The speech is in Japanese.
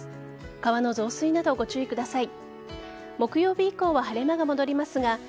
川の増水など、ご注意ください。